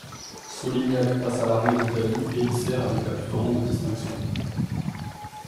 Solignac passe à l'armée d'Italie et y sert avec la plus grande distinction.